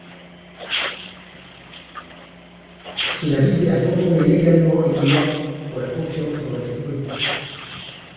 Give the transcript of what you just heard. Cela visait à contourner légalement les lois pour la confiance dans la vie politique.